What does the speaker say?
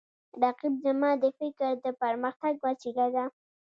رقیب زما د فکر د پرمختګ وسیله ده